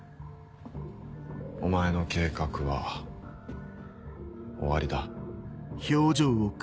お前の計画は終わりだ。